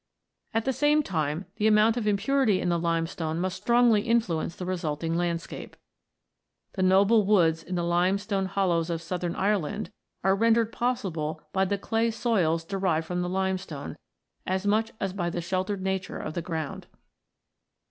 At the same time, the amount of impurity in the limestone must strongly influence the resulting landscape. The noble woods in the limestone hollows of southern Ireland are rendered n] THE LIMESTONES 51 possible by the clay soils derived from the limestone, as much as by the sheltered nature of the ground.